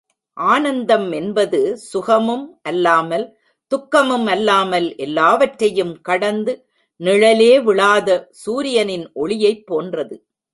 ஆனந்தம் என்பது சுகமும் அல்லாமல், துக்கமும் அல்லாமல் எல்லாவற்றையும் கடந்து, நிழலே விழாத சூரியனின் ஒளியைப் போன்றது.